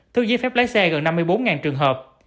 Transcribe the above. thu giấy phép lái xe gần năm mươi bốn trường hợp